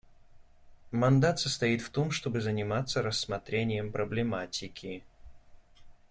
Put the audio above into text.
Мандат состоит в том, чтобы заниматься рассмотрением проблематики.